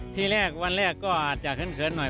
ทีแรกวันแรกก็อาจจะเขินหน่อย